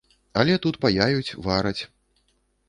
Але тут паяюць, вараць.